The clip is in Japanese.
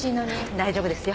大丈夫ですよ。